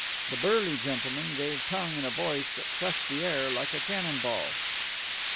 The burly gentleman gave tongue in a voice that cleft the air like a cannon ball.